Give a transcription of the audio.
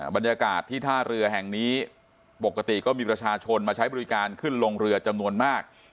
บรรยากาศที่ท่าเรือแห่งนี้ปกติก็มีประชาชนมาใช้บริการขึ้นลงเรือจำนวนมาก